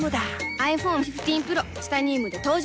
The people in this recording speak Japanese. ｉＰｈｏｎｅ１５Ｐｒｏ チタニウムで登場